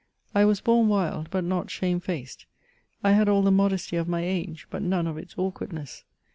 I was bom wild, but not shamefaced ; I had all the modesty of my age, but none of its awkwardness.